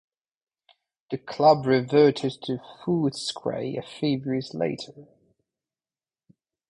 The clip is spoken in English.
The club reverted to Footscray a few years later.